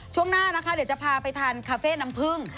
ช่วงหน้านะคะเดี๋ยวจะพาไปทานคาเฟ่น้ำผึ้ง